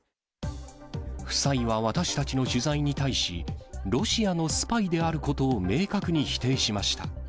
夫妻は私たちの取材に対し、ロシアのスパイであることを明確に否定しました。